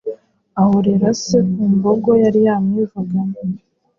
ahorera se ku mbogo yari yamwivuganye.